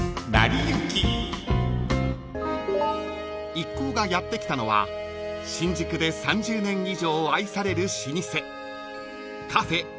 ［一行がやって来たのは新宿で３０年以上愛される老舗］